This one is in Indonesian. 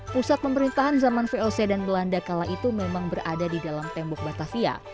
pusat pemerintahan zaman voc dan belanda kala itu memang berada di dalam tembok batavia